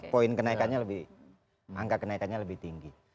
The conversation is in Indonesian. poin kenaikannya lebih angka kenaikannya lebih tinggi